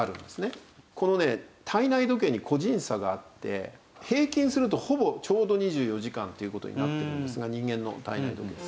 この体内時計に個人差があって平均するとほぼちょうど２４時間という事になってるんですが人間の体内時計です。